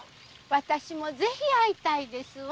わたしもぜひ会いたいですわ。